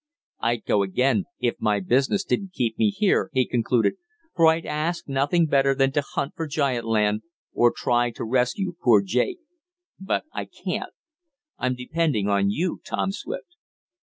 "I'd go again, if my business didn't keep me here," he concluded, "for I'd ask nothing better than to hunt for giant land, or try to rescue poor Jake. But I can't. I'm depending on you, Tom Swift."